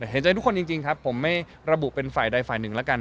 เห็นใจทุกคนจริงครับผมไม่ระบุเป็นฝ่ายใดฝ่ายหนึ่งแล้วกัน